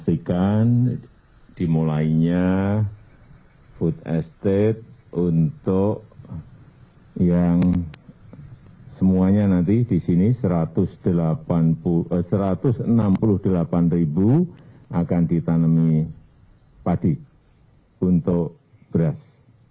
pastikan dimulainya food estate untuk yang semuanya nanti di sini satu ratus enam puluh delapan akan ditanami padi untuk beras